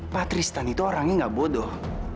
pak tristan itu orangnya gak bodoh